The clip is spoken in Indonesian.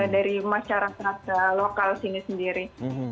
dari masyarakat lokal sini sendiri